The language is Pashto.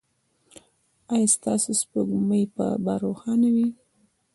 ایا ستاسو سپوږمۍ به روښانه وي؟